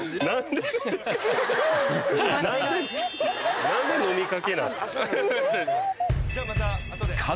何で？